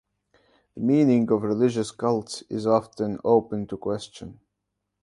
The meaning of religious cults is often open to question.